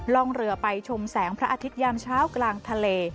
ล่องเรือไปชมแสงพระอาทิตยามเช้ากลางทะเล